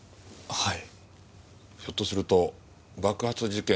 はい。